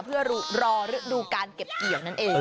เพื่อรอฤดูการเก็บเกี่ยวนั่นเอง